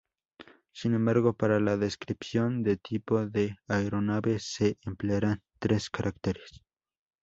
Sin embargo para la descripción de tipo de aeronave se emplearan tres caracteres.